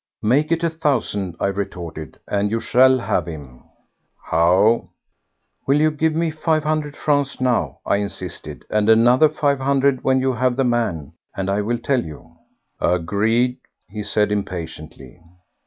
"Make it a thousand," I retorted, "and you shall have him." "How?" "Will you give me five hundred francs now," I insisted, "and another five hundred when you have the man, and I will tell you?" "Agreed," he said impatiently.